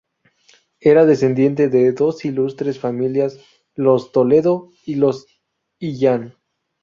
Era descendiente de dos ilustres familias: los Toledo y los Illán.